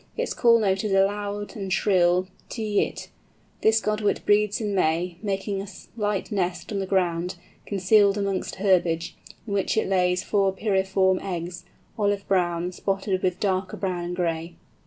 Its call note is a loud and shrill tyii it. This Godwit breeds in May, making a slight nest on the ground, concealed amongst herbage, in which it lays four pyriform eggs, olive brown, spotted with darker brown and gray.